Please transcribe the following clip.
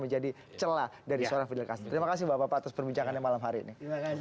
menjadi celah dari seorang penderitaan terima kasih bapak atas perbincangannya malam hari ini